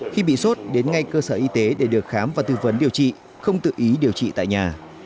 khi bị sốt đến ngay cơ sở y tế để được khám và tư vấn điều trị không tự ý điều trị tại nhà